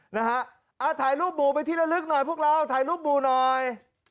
นะฮะอ่าถ่ายรูปหมู่ไปที่ละลึกหน่อยพวกเราถ่ายรูปหมู่หน่อย